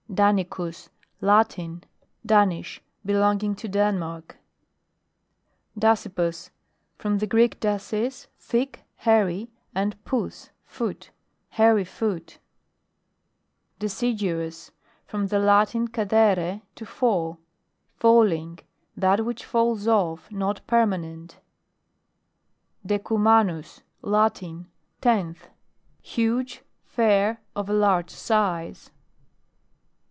, DANICUS. Latin. Danish. Belong ing to Denmark. DASYPUS. From the Greek, dasus, thick, hairy, and pous, foot. Hairy foot. M AMMALOGY: GLOSSARY. 141 DECIDUOUS. From the Latin, cadere, to fall. Falling, that which falls off not permanent. DECUMANUS. Latin. Tenth. Huge, fair, of a large size.